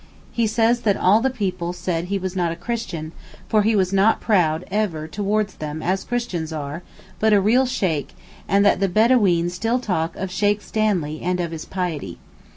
He says that all the people said he was not a Christian, for he was not proud ever towards them as Christians are, but a real Sheykh, and that the Bedaween still talk of Sheykh Stanley and of his piety.